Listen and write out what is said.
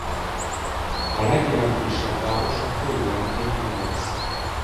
A legjelentősebb város a folyó mentén Angers.